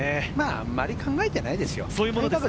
あまり考えてないですよ。